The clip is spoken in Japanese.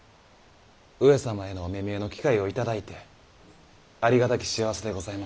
上様へのお目見えの機会を頂いてありがたき幸せでございます。